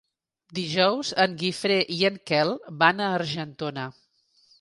Dijous en Guifré i en Quel van a Argentona.